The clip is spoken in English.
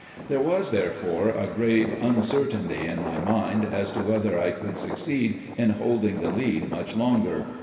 There was, therefore, a grave uncertainty in my mind as to whether I could succeed in holding the lead much longer.